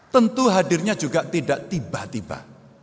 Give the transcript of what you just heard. tentu hadirnya juga tidak tiba tiba